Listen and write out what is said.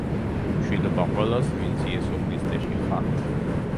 მშვიდობა ყველას, ვინც იესო ქრისტეში ხართ.